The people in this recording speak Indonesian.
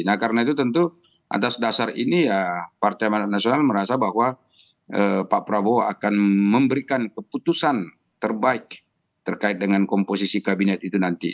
nah karena itu tentu atas dasar ini ya partai manat nasional merasa bahwa pak prabowo akan memberikan keputusan terbaik terkait dengan komposisi kabinet itu nanti